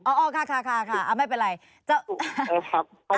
อ้าวข็ะไม่เป็นไร